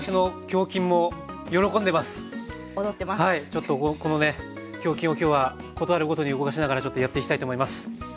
ちょっとこのね胸筋を今日は事あるごとに動かしながらちょっとやっていきたいと思います。